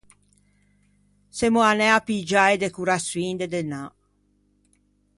Semmo anæ à piggiâ e decoraçioin de Dënâ.